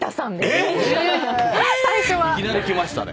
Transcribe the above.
えっ⁉いきなりきましたね。